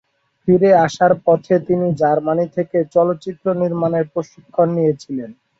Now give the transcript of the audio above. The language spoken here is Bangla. ফিরে আসার পথে তিনি জার্মানি থেকে চলচ্চিত্র নির্মাণের প্রশিক্ষণ নিয়েছিলেন।